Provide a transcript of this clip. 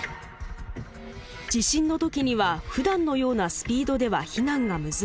地震の時にはふだんのようなスピードでは避難が難しい。